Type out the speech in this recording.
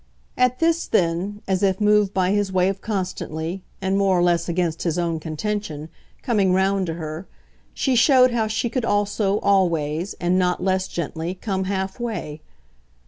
At this then, as if moved by his way of constantly and more or less against his own contention coming round to her, she showed how she could also always, and not less gently, come half way.